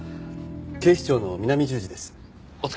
警視庁の南十字です。